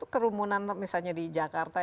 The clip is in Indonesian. kerumunan misalnya di jakarta